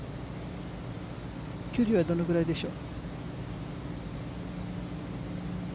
距離はどのくらいでしょう。